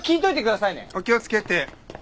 お気をつけて。